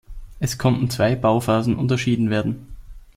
Es konnten zwei Bauphasen unterschieden werden.